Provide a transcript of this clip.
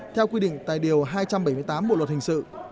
theo quy định tài điều hai trăm bảy mươi tám bộ luật hình sự